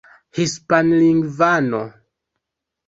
hispanlingvano